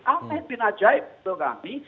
amin bin ajaib untuk kami